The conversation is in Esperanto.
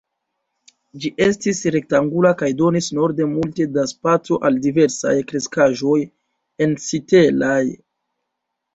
Ĝi estis rektangula kaj donis norde multe da spaco al diversaj kreskaĵoj ensitelaj.